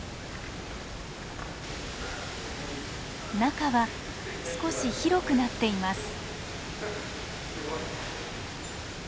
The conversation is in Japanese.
中は少し広くなっています。